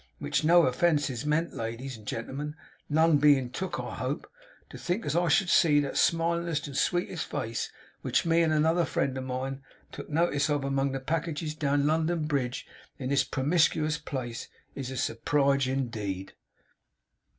Which no offence is meant, ladies and gentlemen; none bein' took, I hope. To think as I should see that smilinest and sweetest face which me and another friend of mine, took notice of among the packages down London Bridge, in this promiscous place, is a surprige in deed!